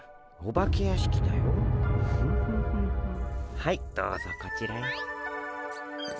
はいどうぞこちらへ。